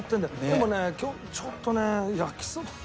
でもね今日ちょっとね焼きそば。